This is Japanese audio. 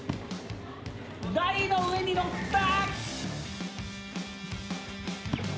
台の上に乗った！